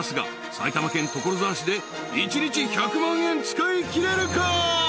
埼玉県所沢市で一日１００万円使いきれるか？］